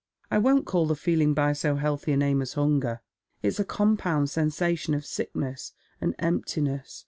I won't call the feeling by so healthy a name as hunger. Jt's a compound sensation of sickness and emptiness.